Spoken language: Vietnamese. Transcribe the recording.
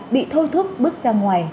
bị thôi thuốc bước ra ngoài